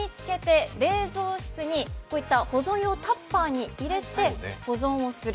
このように水につけて冷蔵室に保存用タッパーに入れて保存をする。